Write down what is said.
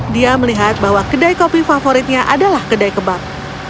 dia melihat bahwa kedai kopi favoritnya adalah kedai kebab